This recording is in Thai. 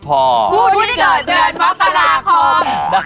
ภูที่เกิดเดือนมาตลาคม